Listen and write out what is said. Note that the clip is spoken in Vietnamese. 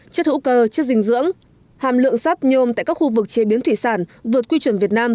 chất hữu cơ chất dinh dưỡng hàm lượng sắt nhôm tại các khu vực chế biến thủy sản vượt quy chuẩn việt nam